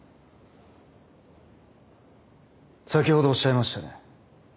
先ほどおっしゃいましたね？